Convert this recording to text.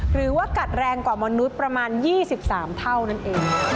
หรือว่ากัดแรงกว่ามนุษย์ประมาณ๒๓เท่านั้นเอง